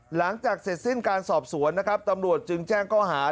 หลังจากเสร็จสิ้นการสอบสวนนะครับตำรวจจึงแจ้งข้อหา